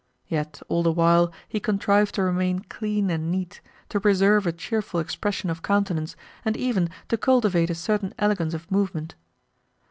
Yet all the while he contrived to remain clean and neat, to preserve a cheerful expression of countenance, and even to cultivate a certain elegance of movement.